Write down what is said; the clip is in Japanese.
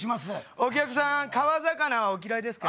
お客さん川魚はお嫌いですか？